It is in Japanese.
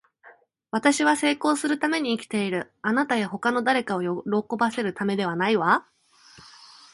私は成功するために生きている。あなたや他の誰かを喜ばせるためではないわ。